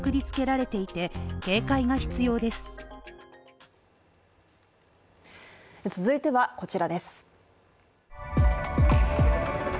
続いてはこちらです。